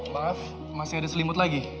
maaf masih ada selimut lagi